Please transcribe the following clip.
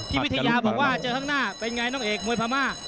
วิทยาบอกว่าเจอข้างหน้าเป็นไงน้องเอกมวยพม่า